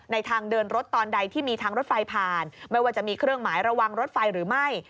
ทางเดินรถตอนใดที่มีทางรถไฟผ่านไม่ว่าจะมีเครื่องหมายระวังรถไฟหรือไม่